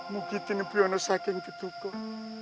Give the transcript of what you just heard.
mungkin bionos saking ketukuh